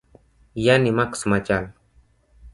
yani maks machal